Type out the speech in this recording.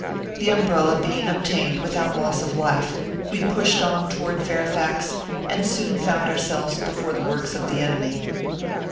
The umbrella being obtained without loss of life, we pushed on toward Fairfax, and soon found ourselves before the works of the enemy.